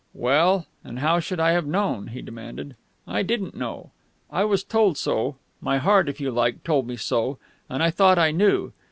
"Well, and how should I have known?" he demanded. "I didn't know. I was told so. My heart, if you like, told me so, and I thought I knew.